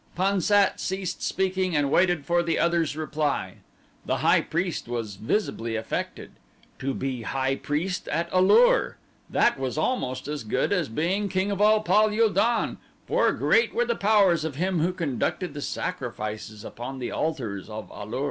Pan sat ceased speaking and waited for the other's reply. The high priest was visibly affected. To be high priest at A lur! That was almost as good as being king of all Pal ul don, for great were the powers of him who conducted the sacrifices upon the altars of A lur.